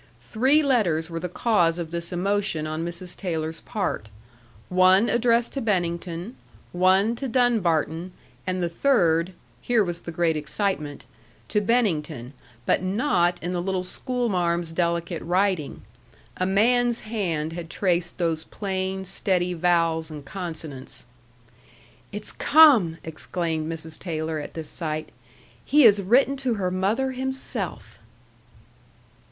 Three letters were the cause of this emotion on Mrs. Taylor's part; one addressed to Bennington, one to Dunbarton, and the third here was the great excitement to Bennington, but not in the little schoolmarm's delicate writing. A man's hand had traced those plain, steady vowels and consonants. "It's come!" exclaimed Mrs. Taylor, at this sight. "He has written to her mother himself."